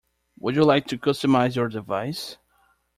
Would you like to customize your device?